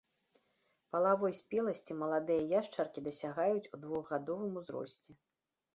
Палавой спеласці маладыя яшчаркі дасягаюць у двухгадовым узросце.